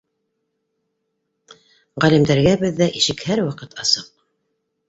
Ға- лимдарға беҙҙә ишек һәр ваҡыт асыҡ